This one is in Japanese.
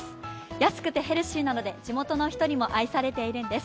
安くてヘルシーなので、地元の人にも愛されているんです。